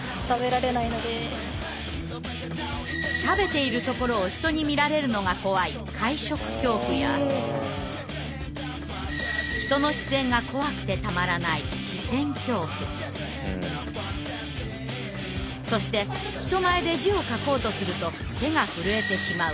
食べているところを人に見られるのが怖い人の視線が怖くてたまらないそして人前で字を書こうとすると手が震えてしまう書痙など。